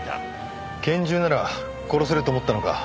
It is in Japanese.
拳銃なら殺せると思ったのか。